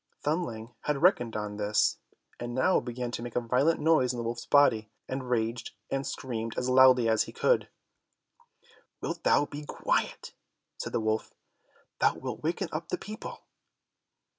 Thumbling had reckoned on this, and now began to make a violent noise in the wolf's body, and raged and screamed as loudly as he could. "Wilt thou be quiet," said the wolf, "thou wilt waken up the people!"